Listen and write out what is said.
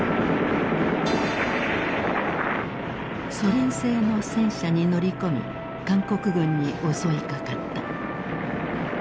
ソ連製の戦車に乗り込み韓国軍に襲いかかった。